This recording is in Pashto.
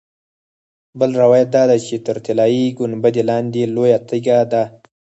بل روایت دا دی چې تر طلایي ګنبدې لاندې لویه تیږه ده.